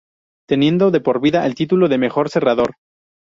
Teniendo de por vida el título de mejor cerrador.